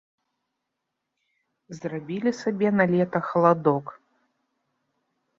Зрабілі сабе на лета халадок.